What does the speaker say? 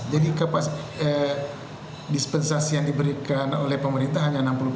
jadi kapasitas dispensasi yang diberikan oleh pemerintah hanya enam puluh